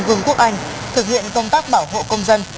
vương quốc anh thực hiện công tác bảo hộ công dân